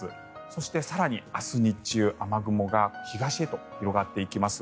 そして、更に、明日日中雨雲が東へと広がっていきます。